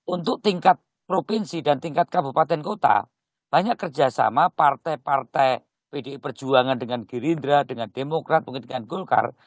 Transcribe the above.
untuk tingkat provinsi dan tingkat kabupaten kota banyak kerjasama partai partai pdi perjuangan dengan gerindra dengan demokrat mungkin dengan golkar